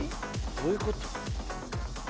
どういうこと？